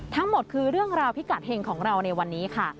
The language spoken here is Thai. ทั้งหมดคือเรื่องราวพิกัดเฮงของเราในวันนี้ค่ะ